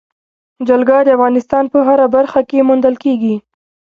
جلګه د افغانستان په هره برخه کې موندل کېږي.